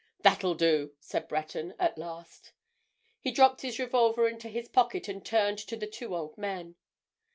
"That'll do," said Breton at last. He dropped his revolver into his pocket and turned to the two old men.